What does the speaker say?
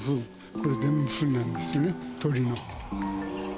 これ全部、ふんなんですよね、鳥の。